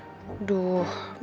bisa makin ribet ya